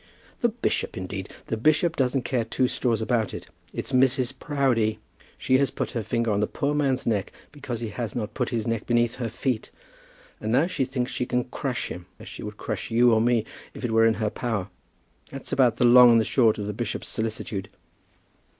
"The bishop, indeed! The bishop doesn't care two straws about it. It's Mrs. Proudie! She has put her finger on the poor man's neck because he has not put his neck beneath her feet; and now she thinks she can crush him, as she would crush you or me, if it were in her power. That's about the long and the short of the bishop's solicitude."